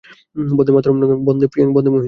বন্দে মাতরং নয় — বন্দে প্রিয়াং, বন্দে মোহিনীং।